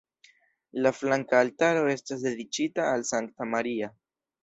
La flanka altaro estas dediĉita al Sankta Maria.